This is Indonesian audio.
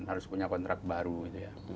harus punya kontrak baru gitu ya